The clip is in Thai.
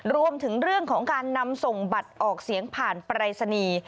รวมถึงเรื่องของการนำส่งบัตรออกเสียงผ่านปรายศนีย์